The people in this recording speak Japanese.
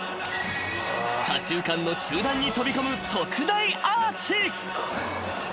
［左中間の中段に飛びこむ特大アーチ］